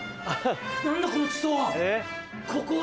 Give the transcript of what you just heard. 何だこの地層は！